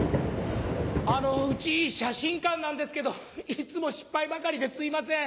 あのうち写真館なんですけどいつも失敗ばかりですいません。